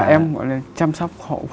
em gọi là chăm sóc hộ